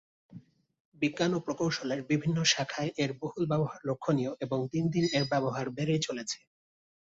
বিজ্ঞান ও প্রকৌশলের বিভিন্ন শাখায় এর বহুল ব্যবহার লক্ষণীয় এবং দিন দিন এর ব্যবহার বেড়েই চলেছে।